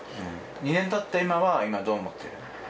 ２年たった今は今どう思ってる？